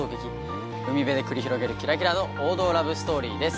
海辺で繰り広げるキラキラの王道ラブストーリーです。